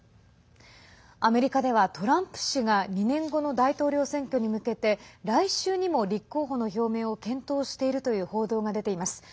アメリカでは、トランプ氏が２年後の大統領選挙に向けて来週にも立候補の表明を検討しているという報道が出ています。